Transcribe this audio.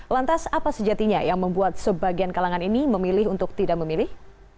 lantas apa sejatinya yang membuat sebagian kalangan ini memilih untuk tidak memilih